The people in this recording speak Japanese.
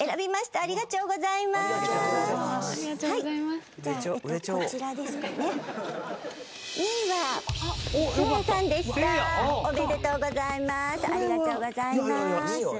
ありがちょうございまーす。